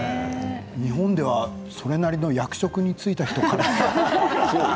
日本では、それなりの役職に就いた人から。